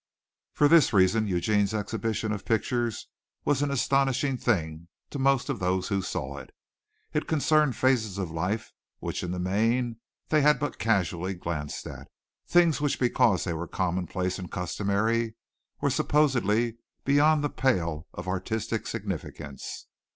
For this reason Eugene's exhibition of pictures was an astonishing thing to most of those who saw it. It concerned phases of life which in the main they had but casually glanced at, things which because they were commonplace and customary were supposedly beyond the pale of artistic significance.